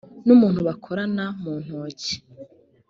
n umuntu bakorana mu ntoki